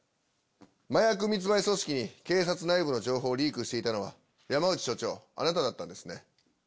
麻薬密売組織に警察内部の情報をリークしていたのは山内署長あなただったんですね。